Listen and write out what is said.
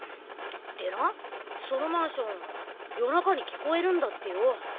でなそのマンション夜中に聞こえるんだってよ